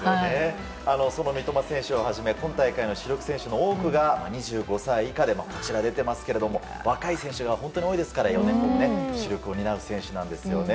その三笘選手をはじめ今大会の主力選手の多くが２５歳以下の若い選手が本当に多いですから４年後も主力を担う選手なんですよね。